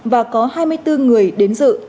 và có hai mươi bốn người đến dự